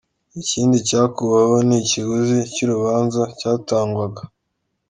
Ikindi cyakuweho ni ikiguzi cy’urubanza cyatangwaga.